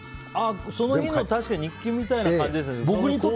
その日の日記みたいな感じですね。